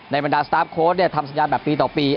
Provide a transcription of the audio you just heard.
บรรดาสตาร์ฟโค้ดทำสัญญาณแบบปีต่อปี